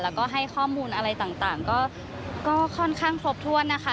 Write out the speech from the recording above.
แล้วก็ให้ข้อมูลอะไรต่างก็ค่อนข้างครบถ้วนนะคะ